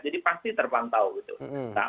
jadi pasti terpantau gitu